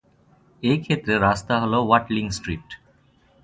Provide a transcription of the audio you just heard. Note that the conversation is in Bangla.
এই ক্ষেত্রে রাস্তা হল ওয়াটলিং স্ট্রিট।